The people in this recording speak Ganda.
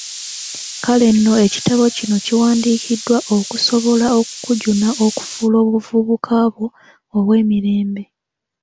Kale nno ekitabo kino kiwandiikiddwa okusobola okukujuna okufuula obuvubuka bwo obw'emirembe.